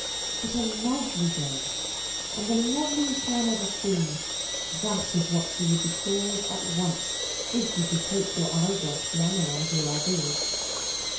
But a "lovely girl," and the loveliest one ever seen, that is what she would be called at once, if you could take your eyes off, to analyse your ideas.